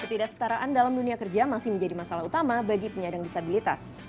ketidaksetaraan dalam dunia kerja masih menjadi masalah utama bagi penyandang disabilitas